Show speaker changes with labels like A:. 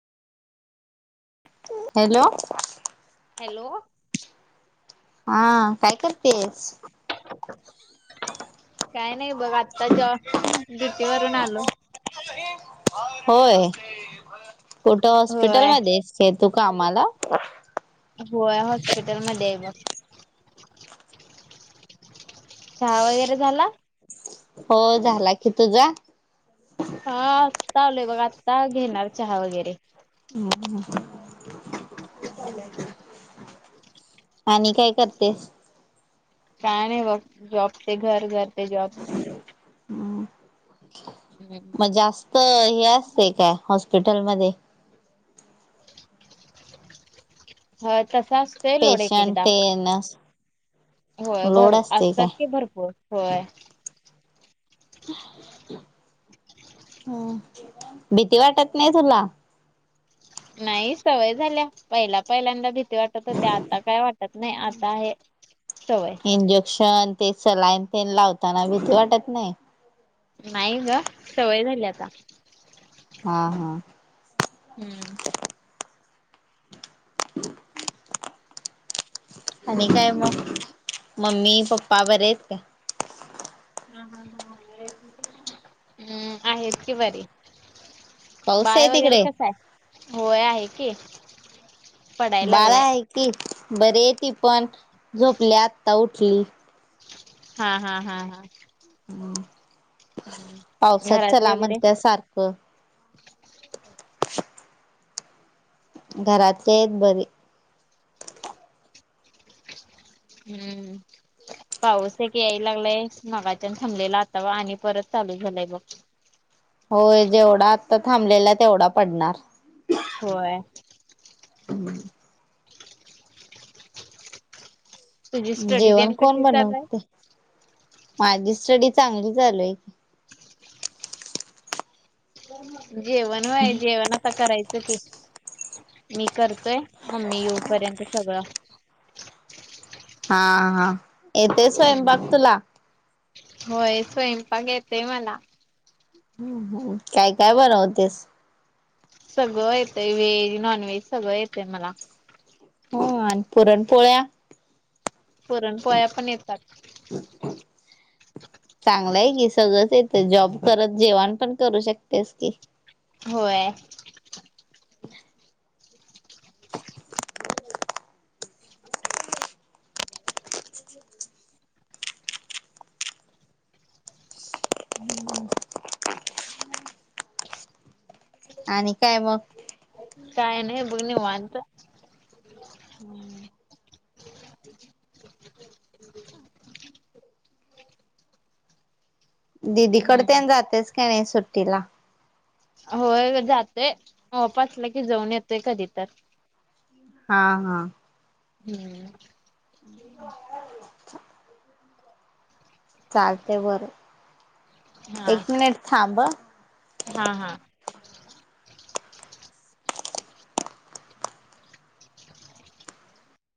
A: Hello.
B: Hello.
A: हा काय करतेस?
B: काय नाही बघ आता जॉब ड्युटी वरून आलो.
A: होय कुठं
B: होय
A: हॉस्पिटलमध्ये आहेस का तू कामला?
B: होय हॉस्पिटलमध्ये आहे बघ. चहा वगैरे झाला?
A: हो झाला की तुझा?
B: हा आलोय बघ आता घेणार चहा वगैरे.
A: ह.
B: हम्म!
A: आणि काय करतेस?
B: काय नाही बघ जॉबचे घर घर ते जॉब.
A: मग जास्त हे असते काय हॉस्प हॉस्पिटलमध्ये?
B: ह तसा असतोय लोड एक
A: पेशंट
B: एकदा.
A: तेन
B: होय भर
A: लोड असते
B: असतात
A: काय
B: की भरपूर होय.
A: ह भीती वाटत नाही तुला?
B: नाही सवय झाल्या पहिला पहिल्यांदा भी वाटत होते आता काय वाटत नाही आता हे सवय.
A: क्षण ते सलाईन ते लावताना भीती वाटत नाही?
B: नाही ग सवय झाली आता.
A: हा हा.
B: हम्म.
A: ह. आणि काय मग मम्मी पप्पा बरे आहेत का?
B: हम्. आहेत की बरी.
A: पाऊस आहे
B: बाळ वगैरे
A: तिकडे
B: कस आहे? होय आहे की पडाय
A: बाळा
B: लागलाय.
A: आहे की बर आहे ती पण झोपली आत्ता उठली.
B: हा हा हा हा.
A: हम्म! पावसात
B: घरातले
A: चला म्हण
B: वगैरे
A: त्यासारखं. घरातले आहेत बरे.
B: हम्म पाऊस एक याय लागलाय मगाच्यान थांबलेला आतावा आणि परत. चालू झालंय मग.
A: होय जेवढा आता थांबल
B: होय.
A: हम्म!
B: तुझी स्टडी
A: जेवण
B: तेन
A: कोण
B: कशी चालू
A: बनवते?
B: आहे?
A: माझी स्टडी चांगली चालू आहे.
B: जेवण वय जेवण आता करायचं की मी करतोय मम्मी येऊपर्यंत सगळं
A: हा-हा
B: हम्म होय स्वयंपाक येतोय मला
A: हम्म-हम्म काय-काय बनवतेस.
B: सगळं येतय व्हेज, नॉनव्हेज सगळं येतय मला
A: हो आणि पुरण पोळ्या
B: पुरणपोळ्या पण येतात.
A: [inaudible] चांगलंय कि सगळंच येत जॉब करत जेवाण पण करू शकतेस की
B: होय
A: [inaudible] आणि काय मग
B: काय नाही बघ निवांत
A: हम्म दिदीकड
B: हम्म.
A: तेन जातेस काय नाही सुट्टीला
B: होय जातोय ऑफ असला की जाऊन येतोय कधी तर
A: हा-हा
B: हम्म
A: [unintelligible] चालते बर एक मिनिट थांब
B: हा-हा.